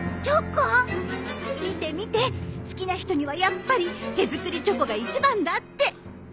見て見て好きな人にはやっぱり手作りチョコが一番だって。